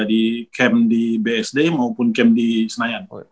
di camp di bsd maupun camp di senayan